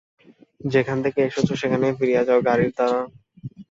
যেখান থেকে এসেছ সেখানেই ফিরে যাও, গাড়ির দালাল।